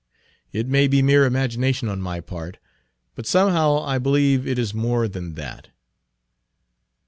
It may be mere imagination on my part, but somehow I believe it is more than that."